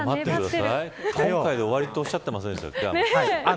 今回で終わりっておっしゃっていませんでしたか。